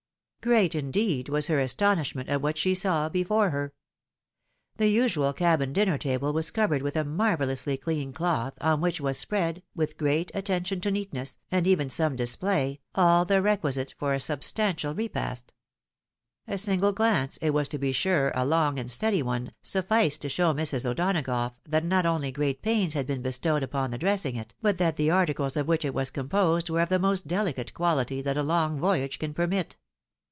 Great, indeed, was her astonishment at what she saw before her. The usual cabin dinner table was covered with a marvel lously clean cloth, on which was spread, with great attention to neatness, and even some display, aU the requisites for a sub stantial repast. A siagle glance, it was to be sure a long and steady one, sufficed to show Mrs. O'Donagough that not only great pains had been bestowed upon the dressing it, but that the articles of which it was composed were of the most delicate quahty that a long voyage can permit.